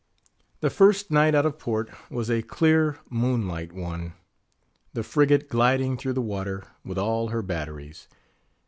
The first night out of port was a clear, moonlight one; the frigate gliding though the water, with all her batteries.